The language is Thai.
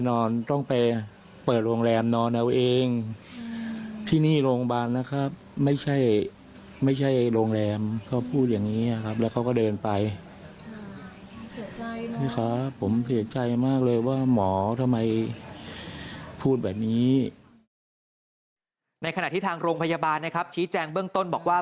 ในขณะที่ทางโรงพยาบาลนะครับชี้แจงเบื้องต้นบอกว่า